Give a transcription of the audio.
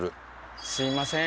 すみません。